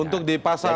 untuk di pasal